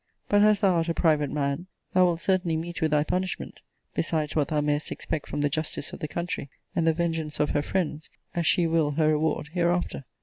But as thou art a private man, thou wilt certainly meet with thy punishment, (besides what thou mayest expect from the justice of the country, and the vengeance of her friends,) as she will her reward, HEREAFTER.